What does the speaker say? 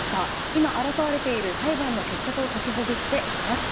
今、争われている裁判の決着をときほぐしていきます。